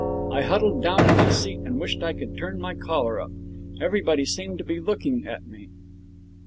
I huddled down in my seat and wished I could turn my collar up. Everybody seemed to be looking at me.